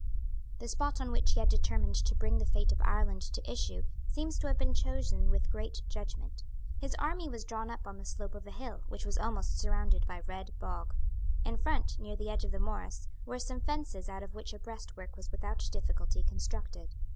The spot on which he had determined to bring the fate of Ireland to issue seems to have been chosen with great judgment. His army was drawn up on the slope of a hill, which was almost surrounded by red bog. In front, near the edge of the morass, were some fences out of which a breastwork was without difficulty constructed.